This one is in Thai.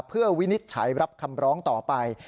เพื่อวินิจฉัยรับคำร้องต่อไป